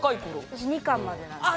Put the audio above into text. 私２巻までなんですよ。